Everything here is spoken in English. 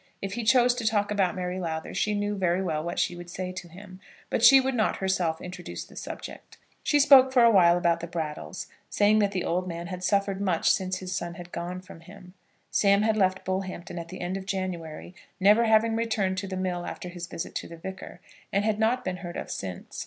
If he chose to talk about Mary Lowther, she knew very well what she would say to him; but she would not herself introduce the subject. She spoke for awhile about the Brattles, saying that the old man had suffered much since his son had gone from him. Sam had left Bullhampton at the end of January, never having returned to the mill after his visit to the Vicar, and had not been heard of since.